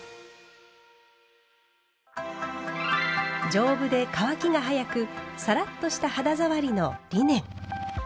丈夫で乾きが早くサラッとした肌触りのリネン。